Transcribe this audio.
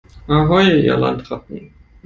Ahoi, ihr Landratten!